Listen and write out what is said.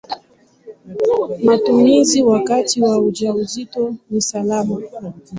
Matumizi wakati wa ujauzito ni salama.